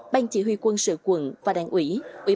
ban chỉ huy quân sự quận và đảng ủy